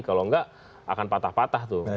kalau enggak akan patah patah tuh